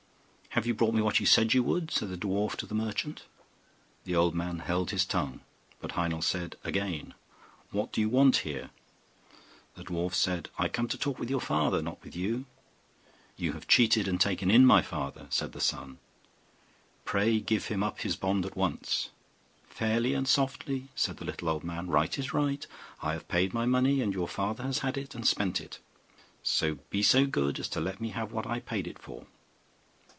'Have you brought me what you said you would?' said the dwarf to the merchant. The old man held his tongue, but Heinel said again, 'What do you want here?' The dwarf said, 'I come to talk with your father, not with you.' 'You have cheated and taken in my father,' said the son; 'pray give him up his bond at once.' 'Fair and softly,' said the little old man; 'right is right; I have paid my money, and your father has had it, and spent it; so be so good as to let me have what I paid it for.